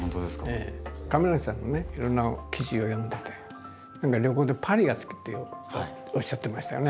いろんな記事を読んでて何か旅行でパリが好きっておっしゃってましたよね。